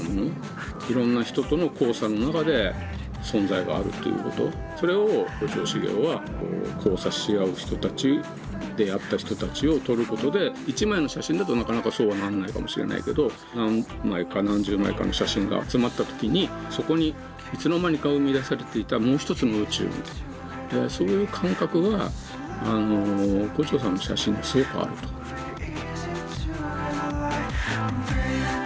いろんな人との交差の中で存在があるということそれを牛腸茂雄は交差し合う人たち出会った人たちを撮ることで一枚の写真だとなかなかそうはなんないかもしれないけど何枚か何十枚かの写真が集まった時にそこにいつの間にか生み出されていた「もうひとつの宇宙」みたいなそういう感覚は牛腸さんの写真にはすごくあると思う。